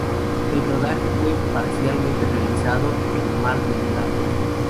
El rodaje fue parcialmente realizado en Mar del Plata.